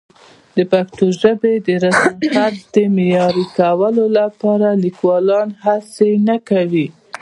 د پښتو ژبې د رسمالخط د معیاري کولو لپاره لیکوالان هڅه نه کوي.